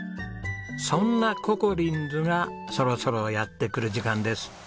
そんなココリンズがそろそろやって来る時間です。